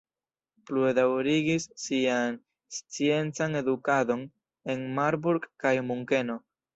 Plue daŭrigis sian sciencan edukadon en Marburg kaj Munkeno.